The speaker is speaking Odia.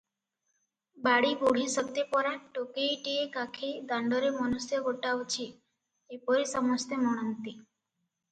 ବାଡ଼ି ବୁଢ଼ୀ ସତେ ପରା ଟୋକେଇଟିଏ କାଖେଇ ଦାଣ୍ଡରେ ମନୁଷ୍ୟ ଗୋଟାଉଛି, ଏପରି ସମସ୍ତେ ମଣନ୍ତି ।